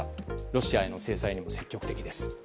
ロシアへの制裁にも積極的です。